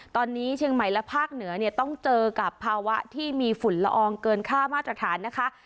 ตอนนี้เชียงใหม่และภาคเหนือเนี่ยต้องเจอกับภาวะที่มีฝุ่นละอองเกินค่ามาตรฐานนะคะ